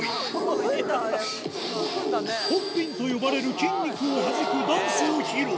「ポッピン」と呼ばれる筋肉をはじくダンスを披露